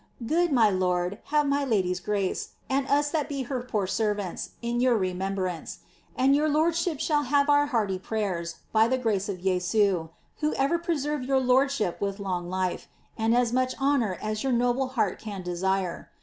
Good, ray lord, faa^e ray lady's grace, and us that be her poor servants, in your remem* brance ; and your lordship shall have our hearty prayers by the grace of Jesu, who ever preserve your lordship with long life, and as rauch honour as your noble heart can desire.